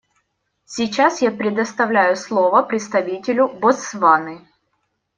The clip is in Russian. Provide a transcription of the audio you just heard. Сейчас я предоставляю слово представителю Ботсваны.